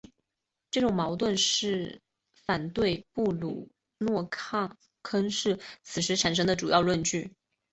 这种矛盾是反对布鲁诺坑是在此时产生的主要论据。